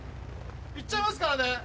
行っちゃいますからね。